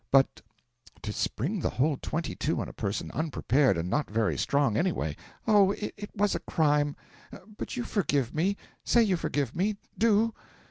But to spring the whole twenty two on a person unprepared and not very strong anyway ' 'Oh, it was a crime! But you forgive me say you forgive me. Do!'